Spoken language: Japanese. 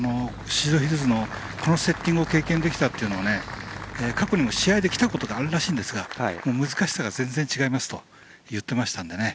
宍戸ヒルズのこのセッティングを経験できたのは過去にも試合で来たことはあるらしいんですが難しさが全然違いますと言っていましたのでね